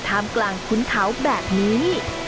ท่ามกลางคุ้นเขาแบบนี้